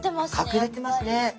隠れてますね！